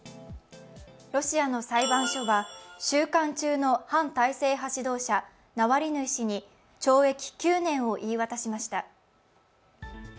ロシアの裁判所は収監中の反体制派指導者、ナワリヌイ氏に懲役９年を言い渡しました。